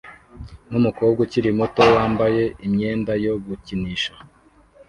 numukobwa ukiri muto wambaye imyenda yo gukinisha